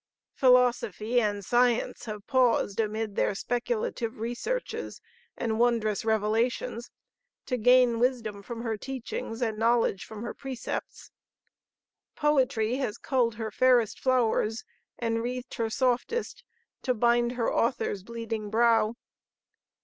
Philosophy and science have paused amid their speculative researches and wondrous revelations to gain wisdom from her teachings and knowledge from her precepts. Poetry has culled her fairest flowers and wreathed her softest to bind her Author's 'bleeding brow.'